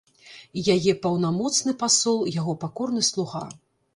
І яе паўнамоцны пасол яго пакорны слуга.